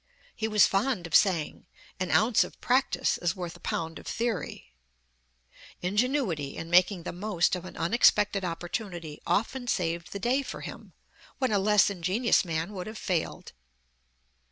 He was fond of saying: "An ounce of practice is worth a pound of theory." Ingenuity, and making the most of an unex pected opportunity, often saved the day for him, when a less ingenious man would have failed.